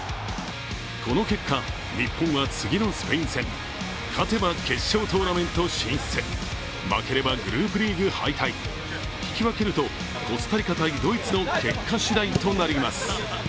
この結果、日本は次のスペイン戦、勝てば決勝トーナメント進出、負ければグループリーグ敗退、引き分けるとコスタリカ×ドイツの結果しだいとなります。